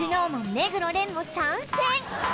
目黒蓮も参戦！